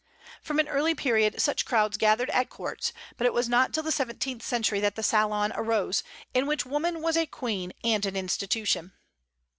From an early period such crowds gathered at courts; but it was not till the seventeenth century that the salon arose, in which woman was a queen and an institution.